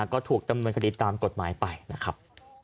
ก็ถูกดำเนินคดีตามกฎหมายไปนะครับ